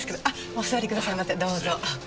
お座りくださいませどうぞ。